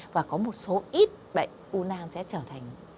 và có một số ít bệnh u nan sẽ trở thành